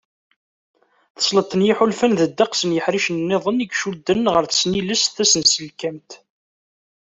Tesleḍt n yiḥulfan d ddeqs n yiḥricen-nniḍen i icudden ɣer tesnilest tasenselkamt.